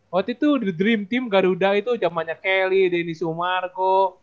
waktu itu di dream team garuda itu zamannya kelly denny sumarko